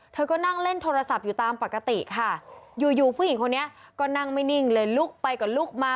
เธอก็นั่งเล่นโทรศัพท์อยู่ตามปกติค่ะอยู่อยู่ผู้หญิงคนนี้ก็นั่งไม่นิ่งเลยลุกไปก็ลุกมา